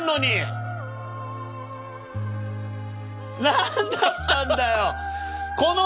何だったんだよ。